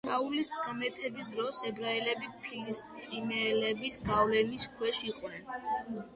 საულის გამეფების დროს ებრაელები ფილისტიმელების გავლენის ქვეშ იყვნენ.